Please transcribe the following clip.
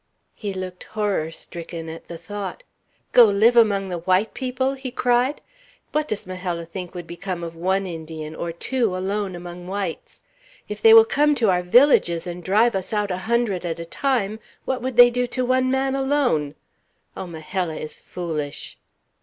He looked horror stricken at the thought. "Go live among the white people!" he cried. "What does Majella think would become of one Indian, or two, alone among whites? If they will come to our villages and drive us out a hundred at a time, what would they do to one man alone? Oh, Majella is foolish!"